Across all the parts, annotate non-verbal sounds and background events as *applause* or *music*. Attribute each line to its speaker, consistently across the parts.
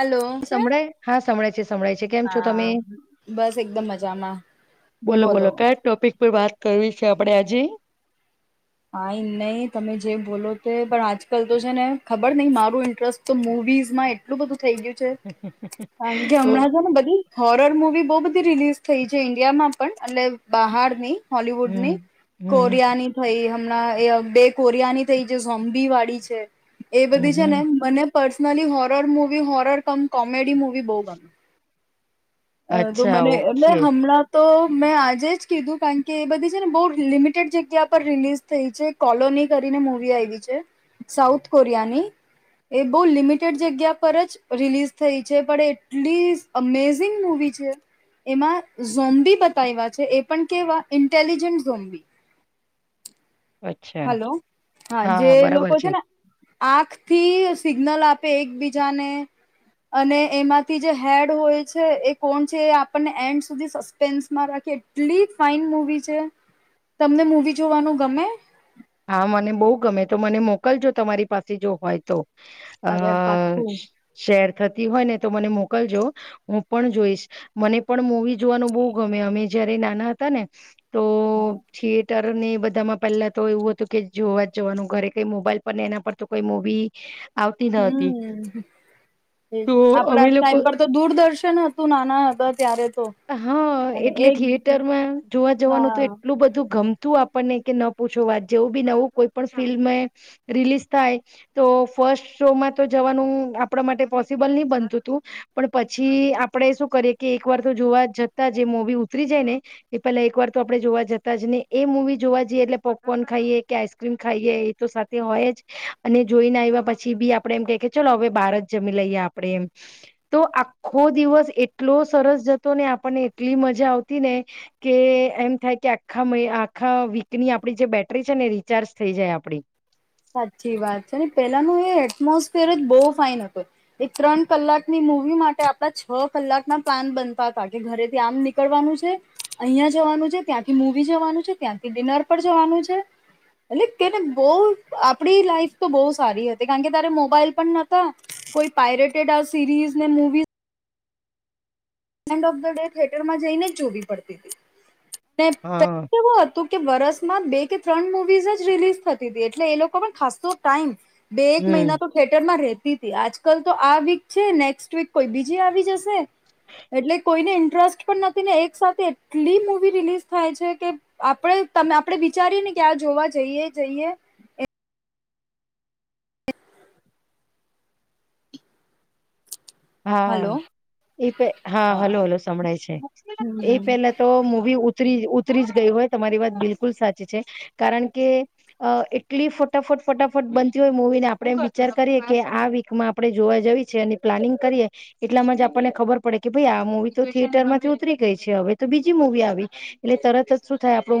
Speaker 1: Hello છે
Speaker 2: સંભળાય હા સંભળાય છે સંભળાય છે કેમ છો
Speaker 1: હા
Speaker 2: તમે
Speaker 1: બસ એકદમ મજામાં.
Speaker 2: બોલો બોલો કયા ટોપિક પર વાત કરવી છે આપડે આજે.
Speaker 1: હા નહી તમે જે બોલો તે પણ આજકાલ તો છે ને ખબર નહ મારું ઇન્ટરેસ્ટ તો મુ વીઝમાં એટલું બધું થઈ ગયું છે કારણ કે
Speaker 2: ઓ
Speaker 1: હમણાં જો ને બધી હોરર મુવી બહુ બધી રિલીઝ થઈ છે ઇન્ડિયામાં પણ એટલે બહારની. હોલવુડ
Speaker 2: હમ
Speaker 1: ની
Speaker 2: હમ
Speaker 1: કોરિયાની થઈ મના અ બે કોરિયાની થઈ જે ઝોમ્બી વાળી છે એ
Speaker 2: હમ
Speaker 1: બધી છે
Speaker 2: હમ.
Speaker 1: ને મને personally horror movie horror cum comedy movie બહુ ગમે. અ તો
Speaker 2: અચ્છા
Speaker 1: મને એટલે
Speaker 2: ઓકે
Speaker 1: હમણાં તો મેં આજે જ કીધું કાણ કે એ બધી છે ને બહુ લિમિટેડ જગ્યા પર રિલીઝ થઈ છે કોલોની કરી ને મુવી આયવી છે સાઉથ કોરિયાની એ બહુ લિમિટેડ જગ્યા પર જ રિલીઝ થઈ છે પણ એટલી અમેઝ ઝિગ મૂવી છે. એમાં ઝોમ્બી બતાવ્યા છે એ પણ કેવા ઇન્ટેલિજન્ટ ઝોમ્બી
Speaker 2: અચ્છા
Speaker 1: હલો હા જે લોકો છે ને આંખ થી સિગ્નલ આપે એકબીજાને અને એમાંથી જે હેડ હોય એ કોણ છે આપ એડ સસ્પેન્સમાં રાખી એટલી ફાઈન મુવી છે. તમને મૂવી જોવાનું ગમે?
Speaker 2: હા મને બહુ ગમે તો મને મોકલજો તમારી પાસે જો હોય તો અ
Speaker 1: અરે પાક્કું
Speaker 2: શેર થતી હોય ને તો મને મોકલજો હું પણ જોઈશ મને પણ મવી જોવાનું બહુ ગમેમે જયારે નાના હતા ને તો થિયેટર ની બધામાં પહેલા તો એવું હતું. તો કે જોવા જ જવાનું ઘરે કઈ મોબાઈલ પર ને એના પર તો કઈ મુવી
Speaker 1: હમ્મ
Speaker 2: તો
Speaker 1: હ આપડા
Speaker 2: અમે લોકો
Speaker 1: ટાઈમ પર તો દૂરદર્શન હતું નાના હતા ત્યારે તો
Speaker 2: હા
Speaker 1: અને
Speaker 2: એટલે
Speaker 1: એક
Speaker 2: થિયેટરમાં જોવા જવાનું તો
Speaker 1: હા
Speaker 2: એટલું બધું ગમતું. આપણને કે ન પૂછો વાત જેવું બી નવું કોઈ પણ ફિલ્મ રિલીઝ થાય તો બસ શોમાં તો જવાનું આપણા માટે પોસિબલ નહી બનતું તું પણ પછી આપણે શું કરી કે એક વાર જોવા જતા મુવી ઉતરી જાય ને એ પેલા એક વાર તો આપણે જોવા જતા જ ને એ મુવી જોવા જઈએ. એટલે પોપકોર્ન ખાઈએ કે આઈસક્રીમ ખાઈએ એ તો સાથે હોય જ અને જોઈને આવ્યા પછી બી આપણેે ચાલો હવે બાર જ જમી લઈએ આપણેે એમ તો આખો દિવસ એટલો સરસ જ તો ને આપણને એટલી મજા આવતી ને કે એમ થાય કે આખા આખા વીકની આપડી જે બેટરી છે ને રિચાર્જ થઈ જાય આપડી.
Speaker 1: સાચી વાત છે ને પેલાનું એ એટમોસફિયર જ બહુ ફાઈન હત એક ત્રણ કલાકની મવી માટે આપ છ કલાક ના પ્લાન બનતા હતા કે ઘરેથી આમ નીકળવાનું છે અહિયાં ત્યાંથી મવી જવાનું છે ત્યાંથી ડિનર પર જવાનું છે એટલે તેને બહ આપડી લાઈફ તો બહ સારી હતી કારણ કે તારે મોબાઈલ પણ નતા કોઈ પાયરેટેડ આ સિરી ને movies end of the day થિયટરમાં જઈને જ જોવી પડતી હતી અને પહે
Speaker 2: હા
Speaker 1: એવું હતું કે વરસમાં બે કે ત્રણ મુવીઝ જ રિલીઝ થતી હતી એટલે એ લોકો પણ ખાસો ટાઈમ બે એક મહિના
Speaker 2: હમ
Speaker 1: તો થિેટરમાં રહે આજકાલ તો આ વીક છે નેક્સ્ટ વીક કોઈ બીજી આવી જશે એટલે કોઈને ઇન્ટરેસ્ટ પણ નથી ને એક સાથે એટલી મુવી રિલીઝ થાય છે કે આપણે અમે આપડે વિચારી ને ક્યાં જોવા જઈએ જઈએ હલો
Speaker 2: હા. એ હા હલો હલો સંભળાય છે એ
Speaker 1: હમ
Speaker 2: પેલા તો મવી ઉતરી જ ગયું હોય તમારી વાત બિલકુલ સાચી છે કારણ કે એટલી ફટાફટ ફટાફટ બનતી હોય મૂવી ને આપણે એ વિચાર કરીએ કે આ વીકમાં આપણે જોવા જવી છે અનેની પ્લાનિંગ કરી એટલામાં જ આપણને ખબર પડે કે ભાઈ આ મુવી તો થિયેટર માંથી ઉતરી ગઈ છે હવે તો બીજી મુવી આવે તરત જ થાય આપ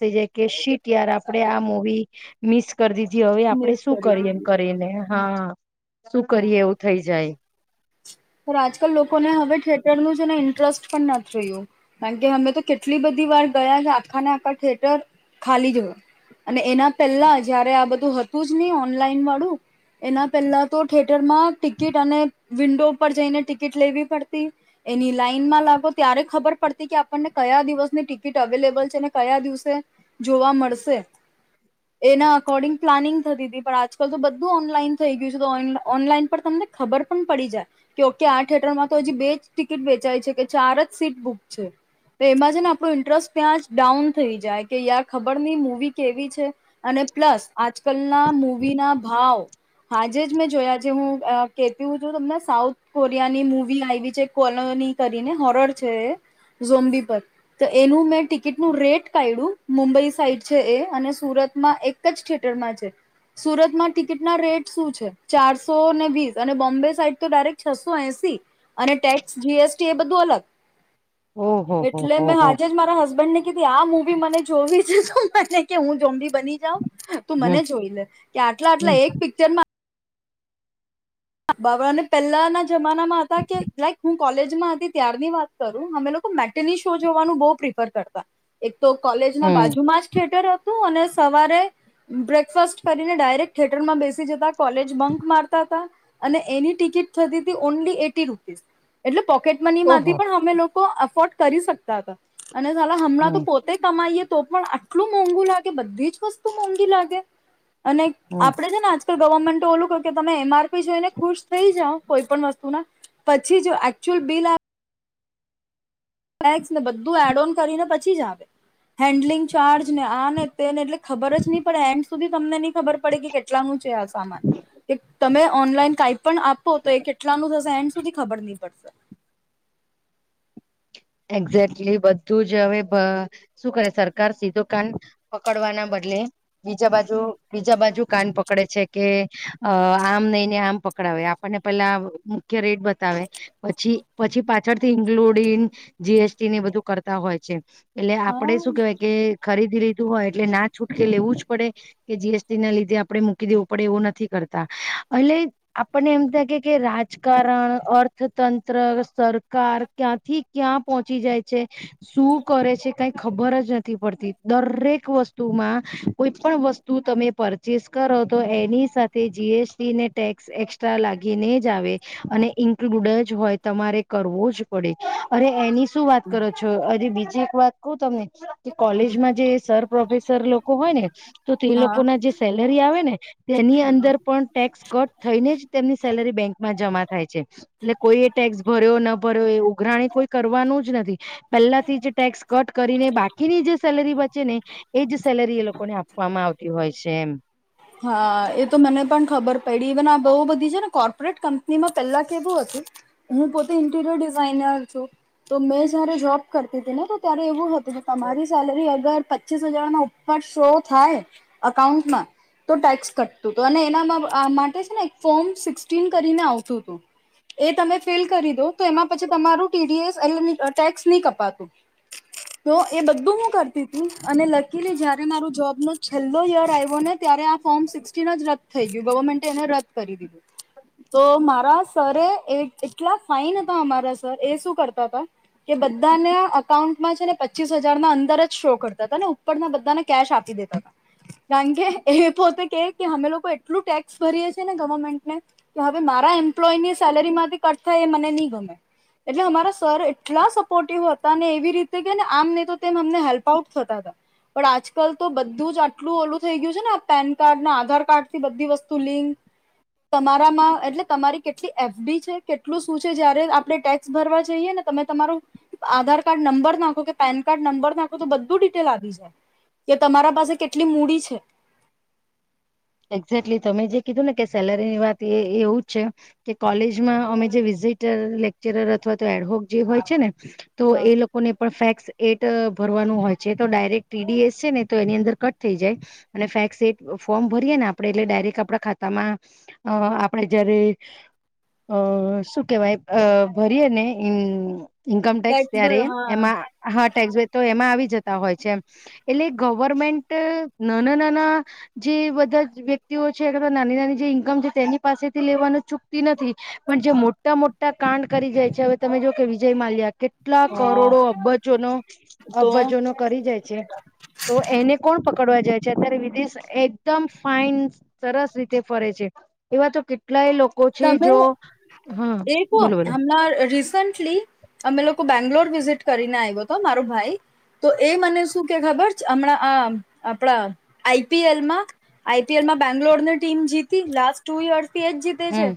Speaker 2: થ જ શીટય આપે આ મુવી મિસ કરી દીધી હવે આપડણે
Speaker 1: નેટ
Speaker 2: શું
Speaker 1: કરી
Speaker 2: કરીએ એમ
Speaker 1: દીધી
Speaker 2: કરીને હા શું કરીએ એવું થઈ જાય.
Speaker 1: પણ આજકાલ લોકોને હવે થિયેટરનું ઇન્ટરેસ્ટ પણ નથી રહ્યું, કારણ કે અમે તો કેટલી બધી વાર ગયા કે આખા ને આખા થિયેટર ખાલી જ હોય, અને એના પહેલા જયારે આ બધું હતું જ ની ઓનલાઈન વાળું એના પહેલા તો થયેટર માં ટિકિટ અને વિન્ડો ઉપર જઈને ટિકિટ લેવી પડતી, એની લાઈન માં લાગો ત્યારે ખબર પડતી કે આપણને કયા દિવસની ટિકિટ અવેલેબલ છે, ને કયા દિવસે જોવા મળશે. એના અકોર્ડિંગ પ્લાનિંગ થતી તી. પણ આજકાલ તો બધું ઓનલાઈન થઈ ગયું છે. તો ઓન ઓનલાઈન પર તમ ને ખબર પણ પડી જાય. કે ઓકે આ થિયેટરમાં તો હજી બે જ ટિકિટ વેચાય છે, કે ચાર જ સીટ બુક છે. તો એમાં છે ને આપણું ઇન્ટરેસ્ટ ત્યાં જ ડાઉન થઈ જાય. કે યાર ખબર નહી મુવી કેવી છે? અને પ્લસ આજકાલના મૂવી ના ભાવ આજે જ મેં જોયા જે હું અ કેતી હુ છું તમને સ સાઉથ કોરિયાની મૂવી આઇવિ છે કોલોની કરીને હોરર છે એ ઝોમ્બી પર તો એનું મેં ટિકિટનું રેટ કાઢ્યું મુંબઈ સાઈડ છે એ અને સુર ત માં એક જ થિયેટરમાં છે. સુરતમાં ટિકિટના રેટ શું છે ચારસો ને વીસ અને બોમ્બે સાઈડ તો ડાયરેક છસો એસી અને ટેક્સ જીએસટી એ બધું અલગ
Speaker 2: ઓહો હો
Speaker 1: એટલે
Speaker 2: હો
Speaker 1: મેં
Speaker 2: હો
Speaker 1: હાજે જ મારા હસબન્ડ ને કીધી આ મુ વી મને જોવી છે. તો મને કે હું ઝોમ્બી બની જાઉ. તું
Speaker 2: હમ
Speaker 1: મને જોઈ લે કે આટલા
Speaker 2: હમ
Speaker 1: આટલા એક પિક્ચરમાં *unintelligible* ને પહેલાના જમાનામાં હતા કે લાઈક હું કોલેજમાં હતી ત્યારની વાત કરું અમે લોક કો મેટની શો જોવાનું બવ પ્રિફર કરતા. એક તો કોલેજ ના
Speaker 2: હમ
Speaker 1: બાજુમાં જ થિયટર હતું. અને સવારે બ્રેકફાસ્ટ કરીને ડાયરેક્ટ થિયટરમાં બેસી જતા કોલેજ બંક મારતા હતા અને એની ટિકિટ થતી હતી ઓનલી એટી રૂપીસ એટલે પોકેટમની માંથી
Speaker 2: ઓહો
Speaker 1: પણ અમે લોક કો અફોર્ડ કરી શકતા હતા. અને સારા હમણાં તો
Speaker 2: હમ
Speaker 1: પોતે કમાઈએ તો પણ આટલું મોંઘું લાગે, બધી જ વસ્તુ મોંઘી લાગે, અને
Speaker 2: હમ
Speaker 1: આપણેે છેને આ તો ગવર્મેન્ટો ઓલું કે તમે એમાર પી જોઈને ખુશ થઈ જાવ કોઈ પણ વસ્તુના, પછી જો એકચુઅલ બિલ આ ટેક્સ ને બધું એડ ઓન કરીને પછી જ આવે, હેન્ડલિંગ ચાર્જ ને આને તેને એટલે ખબર જ નહી પડે એન્ડ સુધી તમને નહી ખબર પડે કે કેટલાનું છે આ સામાન કે તમે ઓનલાઈન કાઈ પણ આપો તો એ કેટલાનું થશે એન ડ સુધી ખબર નહી પડશે.
Speaker 2: એક્ઝેક્ટલી બધું જ હવે પ શું કરે સરકાર સીધો કાન પકડવાના બદલે બીજા બાજુ બી બીજા બાજુ કાન પકડે છે, કે અ આમ નઈને આમ પકડાવે આપણને પેલા મુખ્ય *unintelligible* રેટ બતાવે પછી પછી પાછળથી ઇન્ક્લુડિન જીએસટી ને બધું કરતા હોય છે. એટલે
Speaker 1: હા
Speaker 2: આપડે શું કેહેવાય કે ખરીદી લીધું હોય એટલે ના છૂટકે લેવું જ પડે કે જીએસટી ના લીધે આપણે મૂકી દેવું પડે એવો નથી ક રતા, અને આપને એમ થાય કે કે રાજકારણ અર્થતંત્ર સર કાર ક્યાંથી ક્યાં પહોંચી જાય છે, શું કરે છે કઈ ખબર જ નથી પડતી દરેક વસ્તુમાં કોઈ પણ વસ્તુ તમે પરચેસ કરો તો એની સાથે જીએસટીને ટેક્સ એક્સ ટ્રા લાગીને જ આવે અને ઇન્ક્લુડ જ હોય, તમારે કરવો જ પડે અરે એની શું વાત કરો છો, હજી બીજી એક વાત કહુ તમને કે કોલેજમાં જે સર પ્રોફેસર લોકો હોય ને તો તે
Speaker 1: હા
Speaker 2: લોકો ના જે સેલરી આવે ને તેની અંદર પણ ટેક્સ કટ થઈને જ તેમની સેલરી બેંકમાં જમા થાય છે, એટલે કોઈ એ ટેક્સ ભર્યો ન ભર્યો એ ઉઘરાણી કોઈ કરવાનું જ નથી. પેલાથી જ ટેક્સ કટ કરીને બા કીની જે સેલરી બચે ને એજ સેલરી એ લોકોને આપવામાં આવતી હોય છે. એમ
Speaker 1: હા, એ તો મને પણ ખબર પેડીન ઈવન આ બહુ બધી છે ને કોર્પોરેટ કંપનીમાં પેલા કેવું હતું હું પોતે ઇન્ટીરિયર ડિઝાઇનર છું તો મેં જયારે જોબ કરતી હતી ને તો ત્યારે એવું હતું તો તમારી સેલરી અગર પચીસ હજારના ઉપર શો થાય અકાઉન્ટમાં તો ટેક્સ કટતું તું અને એના મ અ માટે છે ને એક ફોર્મ સિક્સટીન કરીને આવતું તું એ તમે ફિલ કરી દો તો એમાં પછી તમારું ટીડીએસ એ ટેક્સ નહી કપાતું *inaudible* તો એ બધું હું કરતીતી અને લકીલી જયારે મારો જોબ નો છેલ્લો યર આવ્યો ને ત્યારે આ ફોર્મ સિક્સટીન જ રદ થઈ ગયું ગવર્મેન્ટ એને રદ કરી દીધું. તો મારા સરે એ એટલા ફાઈન હતા અમારા સર એ શું કરતા હતા કે બધાના અકાઉન્ટમાં છે ને પચીસ હજારના અંદર જ શો કરતા હતા ને ઉપરના બધાને કેશ આપી દેતાં કારણ કે એ પોતે કે અમે લોકો એટલું ટેક્સ ભરીએ છીએ ને ગવર્મેન્ટને કે હવે મારા એમ્પ્લોય ની સેલેરી માથી કટ થ એ મને નહિ ગમે. એટલે હું અમારા સર એટલા સપોર્ટિવ હતા અનેને એવી રીતે કેને આમ નહી તો તેમ અમને હેલ્પ આઉટ થતા હતા. પણ આજકાલ તો બધું જ આટલું ઓલું થઈ ગયું છે ને. પેન કાર્ડ ના આધાર કાર્ડ થી બધી વસ્તુ લિંક તમારામાં એટલે તમારી કેટલી એફડી છે કેટલું શું છે જયારે આપડણે ટેક્સ ભરવા જઈએ ને. તમે તમારું આધાર કાર્ડ નંબર નાખો કે પેન કાર્ડ નંબર નાખો તો બધું ડિટેલ આવી જાય કે તમારા પાસે કેટલી મૂડી છે.
Speaker 2: એક્ઝેક્ટલી તમે જે કીધું ને કે સેલરીની વાત એ એ એવું જ છે કે કોલેજમાં અમે જે. લેક્ચરર અથવા તો એડવોક જે હોય છે ને તો એ
Speaker 1: હા
Speaker 2: લોકોને પણ ફેસ એટ ટ ભરવાનું હોય છે તો ડાયરેક ટીડીએસ છે ને તો એની અંદર કટ થઈ જાય અને ફેક્સ એ ફોર્મ ભરીએ ને આપણેે એટલે ડાયરેક્ટ આપણા ખાતામાં અ આપણે જયારે અ શું કેવાય અ ભરીએે નેએ ઇન્કમ ટેક્સ ત્યારે
Speaker 1: ભર હા
Speaker 2: એમાં હા ટેક્સ જો તો એમાં આવી જતા હોય છે એટલે ગવર્મેન્ટ નાના નાના જેવત તજ વ્યક્તિઓ છે નાની નાની જે ઈન્કમ છે તેની પાસેથી લેવાનું ચૂકતી નથી પણ જે મોટા મોટા કાંડ કરી જાય છે હવે તમે જો કે વિજય માલ્યા કે કેટલા કરોડો
Speaker 1: હા
Speaker 2: અબજોનો
Speaker 1: તો
Speaker 2: અબજો નો કરી જાય છે તો એને કોણ પકટે પડવા જાય છે અત્યારે વિદેશ એકદમ ફાઈન સરસ રીતે ફરે છે એવા તો કેટલા. કેટલાય લોકો છે
Speaker 1: તમે
Speaker 2: જો. હા
Speaker 1: એ હો
Speaker 2: બોલો બોલો
Speaker 1: હમણા રિસન્ટલી અમે લોકો બેંગલોર વિઝિટ કરીને આવ્યો હતો મારો ભાઈ. તો એ મને શું કે ખબર છે હમણાં આ આપણા આઈપીએલમાં આઈપીએલ માં બેંગ્લોર ની ટીમ જીતી લાસ્ટ ટુ યર્સ થી જ તે
Speaker 2: હમ
Speaker 1: છે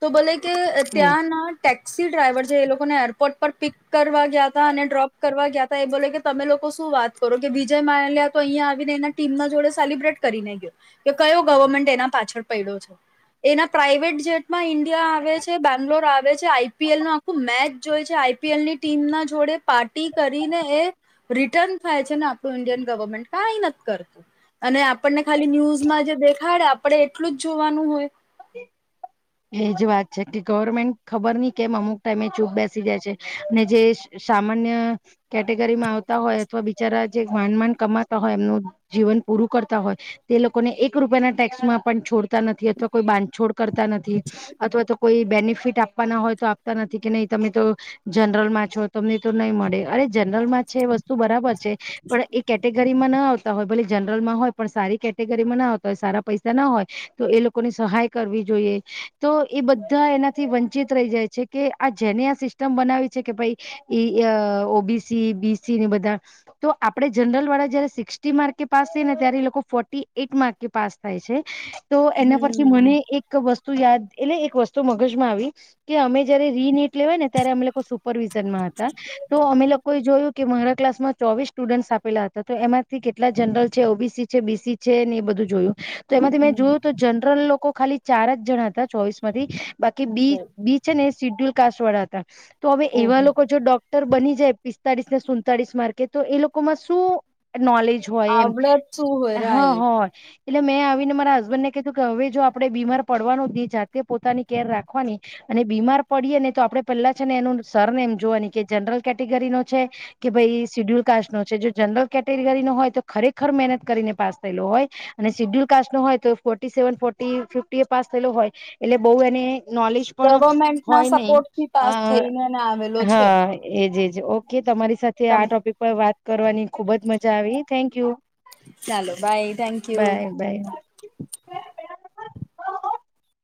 Speaker 1: તો ભલે કે
Speaker 2: હમ
Speaker 1: ત્યાંના ટેક્સી ડ્રાઈવર છે એ લોકોને એરપોર્ટ પર પિક કરવા ગયા હતા અને ડ્રોપ કરવા ગયા હતા એ બોલે કે તમે લોકો હું શું વાત કરો કે વિજય માલ્યા તો અહિયા આવીને એ ટીમ ના જોડે સેલિબ્રેટ કરીને ગયો કે કયો તોમટેના એના પાછળ પડ્યો છે એના. પ્રાઇવેટ જેટમાં ઇન્ડિયા આવે છે બેંગ્લોર આવે છે આઈપીએલ નું આખું મેચ જોઈ છે આઈપીએલ ની ટીમ ના જોડે પાર્ટી કરીને એ રિટર્ન થાય છે ને આપણું ઇન્ડિયન ગવર્મેન્ટ કાંઈ નથી કરતું. અને આપણને ખાલી ન્યૂઝમાં જે દેખાડે આપે એટલું જ જોવાનું હોય *inaudible*
Speaker 2: એજ વાત છે કે ગવર્મેન્ટ ખબર નહિ કેમ અમુક ટાઈમે ચૂપ બેસી જાય છે અનેને જે. સામાન્ય કેટેગરીમાં આવતા હોય અથવા બિચારા જે માનમાન કમાતા હોય એમનું જીવન પુરુ પરુ કરતા હોય તે લોકોને એક રૂપિયાના ટેક્સમાં પણ છોડતા નથી અથવાતો કોઈ બાંધછોડ કરતા નથી અથવા તો કોઈ બેનિફિટ આપવાના હોય તો આપતા નથી કે નહી તમે તો જનરલ માં છો તમને તો નહીં મળે અરે ને જનરલમાં છે વસ્તુ બરાબર છે પણ એ કેટેગરીમાં ન આવતા હોય ભલે જનરલમાં હોય પણ સારી કેટેગરીમાં ના આવતા હોય સારા પૈસા ના હોય તો એ લોકો ની સહાય કરવી જોઈએ તો એ બધા એનાથી વંચિત રહી જાય છે કે આ જેને બી બી બધા આપ જ જ સિકસ્ટી માર્કે પાસ થાય ને ત્યારે એ લોકો ફોર્ટી એઈટ માર્કે પાસ થાય છે. તો એના પછી
Speaker 1: હમ
Speaker 2: મને એક વસ્તુ યાદ એટલે એક વસ્તુ મગજમાં આવી કે અમે જયારે રીનીટ લેવાય ને ત્યારે અમે લોકો સુપરવિઝનમાં હતા. તો અમે લોકોએ જોયું કે મારા કલાસમાં ચોવીસ સ્ટુડન્ટસ આપેલા હતા તો એમાંથી કેટલા જનરલ છે ઓબીસી સી છે બીસી છે ને એ બધું જોયું. તો એમાંથી મેં
Speaker 1: હમ
Speaker 2: જોયું તો જનરલ લોકો ખાલી ચાર જ જણા હતા ચોઈસમાંથી બાકી બી
Speaker 1: ઓહ
Speaker 2: બી છે ને એ સિડ્યુલ કાસવાડા હતા તો હવે એવા
Speaker 1: ઓહો
Speaker 2: લોકો જો ડોક્ટર બની પિસ્તાળસ ને સુતાળસ માર્કે તો એ લોકોમાં શું લે હોય
Speaker 1: આવડત શું હોય
Speaker 2: એ
Speaker 1: રાઈટ
Speaker 2: હા એટલે મેં આવીને મારા હબન્ડને કે હવે જો આપડે બીમાર પડવાનું જાતે પોતાની કેર રાખવાની અને બીમાર પડીએ ને તો આપણે પહેલા છે ને એનું સરનેમ જોવાની કે જનરલ કેટેગરી નો છે કે ભાઈ સીડ્યુલ કાસ્ટ નો છે. જનરલ કેટેગરી ન હોય તો ખરેખર મહેનત કરીને પાસ થયેલો હોય અને સિડ્યલ કાસ્ટ નો હોય તો ફો સેવન ફો ફિફ્ટ એ પાસ થયેલો હોય એટલે બહુ એને નોલેજ પણ
Speaker 1: ગવર્મેન્ટના
Speaker 2: હોય નહી
Speaker 1: સપોર્ટથી
Speaker 2: અ
Speaker 1: પાસ થઈને એને આવેલો છે.
Speaker 2: હા એજજ ઓકે તમારી સાથે આ
Speaker 1: તમ
Speaker 2: ટોપિક પર વાત કરવાની ખુબ જ મજા આવી થેન્ક યુ.
Speaker 1: ચાલો bye thank you.
Speaker 2: Bye by